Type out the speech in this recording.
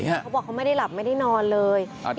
เขาบอกเขาไม่ได้หลับไม่ได้นอนเลย